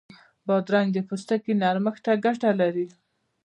بادرنګ د پوستکي نرمښت ته ګټه لري.